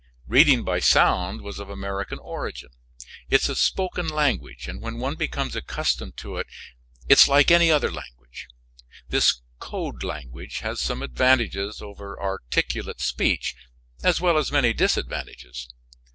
Reading by sound was of American origin. It is a spoken language, and when one becomes accustomed to it it is like any other language. This code language has some advantages over articulate speech, as well as many disadvantages.